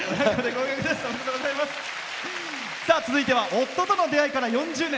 続いては夫との出会いから４０年。